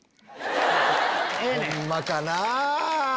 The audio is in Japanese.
ホンマかなぁ。